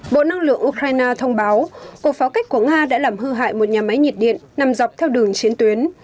bộ năng lượng ukraine thông báo cuộc pháo cách của nga đã làm hư hại một nhà máy nhiệt điện nằm dọc theo đường chiến tuyến